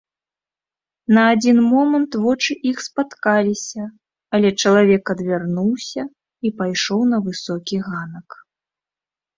На адзін момант вочы іх спаткаліся, але чалавек адвярнуўся і пайшоў на высокі ганак.